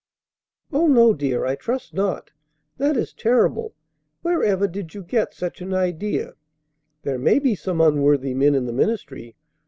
"Oh, no, dear! I trust not. That is terrible! Where ever did you get such an idea? There may be some unworthy men in the ministry.